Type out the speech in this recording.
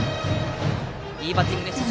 いいバッティングでしたね。